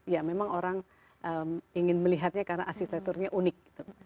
ya memang orang ingin melihatnya karena arsitekturnya unik gitu